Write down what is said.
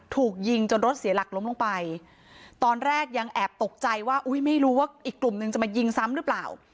ถูกยิงจนรถเสียหลักล้มลงไปตอนแรกยังแอบตกใจว่าอุ้ยไม่รู้ว่าอีกกลุ่มนึงจะมายิงซ้ำหรือเปล่า